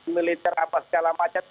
militer apa segala macam